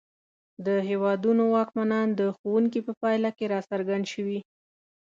د هېوادونو واکمنان د ښوونکي په پایله کې راڅرګند شوي.